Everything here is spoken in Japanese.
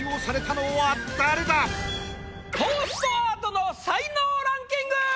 トーストアートの才能ランキング！